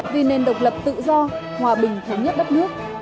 vì nền độc lập tự do hòa bình thống nhất đất nước